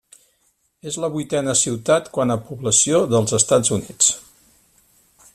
És la vuitena ciutat quant a població dels Estats Units.